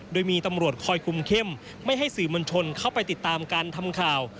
โดยมีตำรวจคอยคุมเข้มไม่ให้สื่อมวลชนเข้าไปติดตามการทำข่าว